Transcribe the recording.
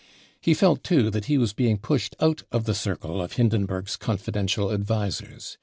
He felt, too, that he was being pushed out of the circle of Hindenburg's confidential advisers.